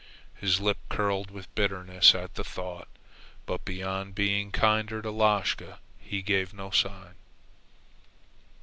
His lip curled with bitterness at the thought; but beyond being kinder to Lashka he gave no sign.